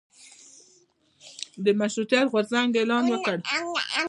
د مشروطیت غورځنګ اعلان کړ.